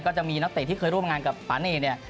ก็จะมีนักเตะที่เคยร่วมงานกับปาเน่เนี่ย